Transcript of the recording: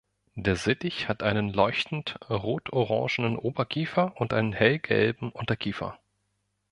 Der Sittich hat einen leuchtend rot-orangenen Oberkiefer und einen hellgelben Unterkiefer.